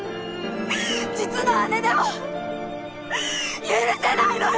実の姉でも許せないのよ！